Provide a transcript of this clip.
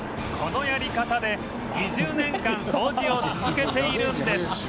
このやり方で２０年間掃除を続けているんです